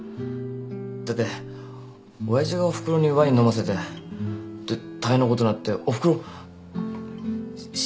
だって親父がおふくろにワイン飲ませてで大変なことになっておふくろ死にそうになってんすよ。